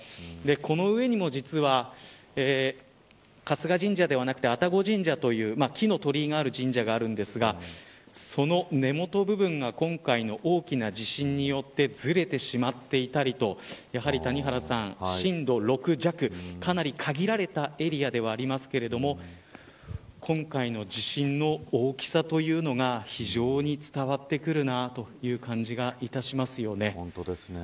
この上にも実は春日神社ではなくて愛宕神社という木の鳥井がある神社があるんですがその根もと部分が今回の大きな地震によってずれてしまっていたりとやはり谷原さん、震度６弱かなり限られたエリアではありますが今回の地震の大きさというのが非常に伝わってくるなという感じがいたしますよね。